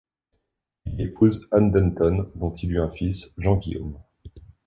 Il y épouse Ann Denton, dont il eut un fils, Jean-Guillaume.